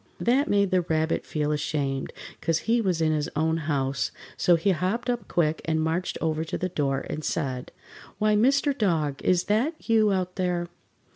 That made the Rabbit feel ashamed, 'cause he was in his own house, so he hopped up quick and marched over to the door and said: "Why, Mr. Dog, is that you out there?"